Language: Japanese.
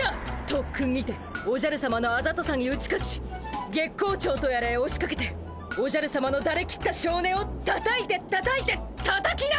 とっくんにておじゃるさまのあざとさに打ち勝ち月光町とやらへおしかけておじゃるさまのだれきったしょうねをたたいてたたいてたたき直すのじゃ！